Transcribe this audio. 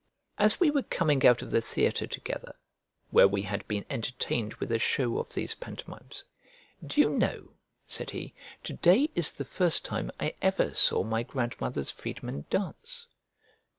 As we were coming out of the theatre together, where we had been entertained with a show of these pantomimes, "Do you know," said he, "to day is the first time I ever saw my grandmother's freedman dance?"